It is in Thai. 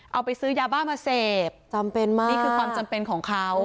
เอาไปซื้อยาบ้ามาเสพจำเป็นมากนี่คือความจำเป็นของเขา